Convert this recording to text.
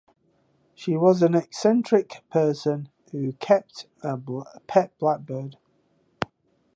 She was an eccentric person who kept a pet blackbird.